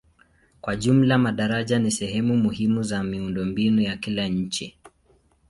Kwa jumla madaraja ni sehemu muhimu za miundombinu ya kila nchi.